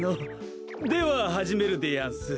でははじめるでやんす。